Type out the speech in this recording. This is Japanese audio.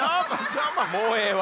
もうええわ。